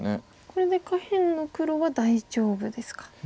これで下辺の黒は大丈夫ですか。